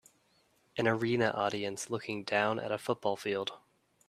An arena audience looking down at a football field